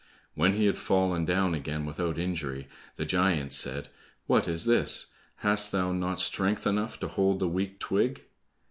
When he had fallen down again without injury, the giant said, "What is this? Hast thou not strength enough to hold the weak twig?"